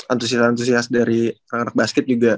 antusias antusias dari orang orang basket juga